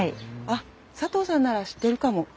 あっ佐藤さんなら知ってるかも。